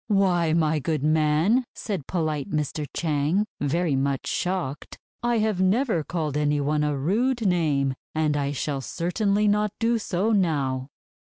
"Why, my good man," said polite Mr. Chang, very much shocked, 'I have never called any one a rude name, and I shall certainly not do so now.'